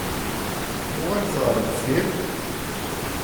Uɣalet ɣer deffir!